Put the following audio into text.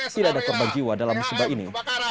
tidak ada kebak jiwa dalam sebuah ini